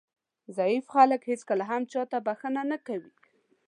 ضعیف خلک هېڅکله هم چاته بښنه نه کوي.